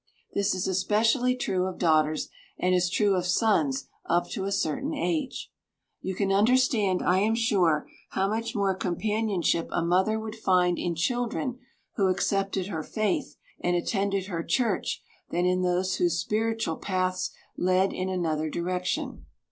This is especially true of daughters, and is true of sons up to a certain age. You can understand, I am sure, how much more companionship a mother would find in children who accepted her faith and attended her church than in those whose spiritual paths led in another direction.